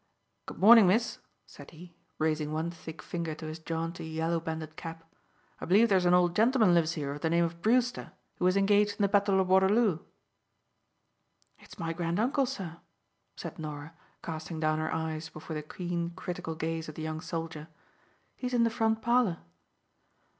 "Good morning, miss," said he, raising one thick finger to his jaunty, yellow banded cap. "I b'lieve there's an old gentleman lives here of the name of Brewster, who was engaged in the battle o' Waterloo?" "It's my granduncle, sir," said Norah, casting down her eyes before the keen, critical gaze of the young soldier. "He is in the front parlour."